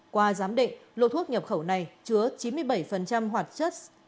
qua giám định lô thuốc nhập khẩu này chứa chín mươi bảy hoạt chất